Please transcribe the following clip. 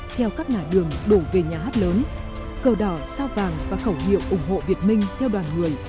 theo các ngã đường đổ về nhà hát lớn cờ đỏ sao vàng và khẩu hiệu ủng hộ việt minh theo đoàn người